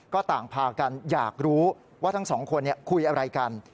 ก็ต่างพากันอยากรู้ว่าทั้งสองคนคุยอะไรกัน